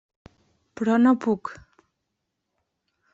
Però no puc.